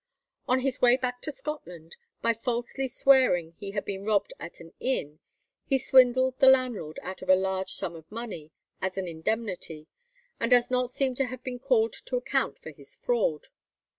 On his way back to Scotland, by falsely swearing he had been robbed at an inn, he swindled the landlord out of a large sum of money as an indemnity, and does not seem to have been called to account for his fraud.